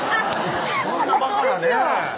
そんなバカなね